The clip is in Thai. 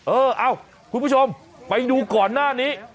เอ้าคุณผู้ชมไปดูก่อนหน้านี้